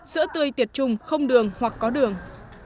sữa tươi tiệt trung không đường hoặc có đường